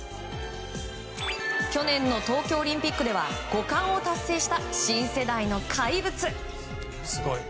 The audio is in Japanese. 去年の東京オリンピックでは５冠を達成した新生代の怪物。